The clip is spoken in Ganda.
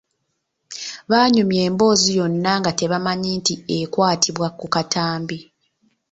Baanyumya emboozi yonna nga tebamanyi nti ekwatibwa ku katambi.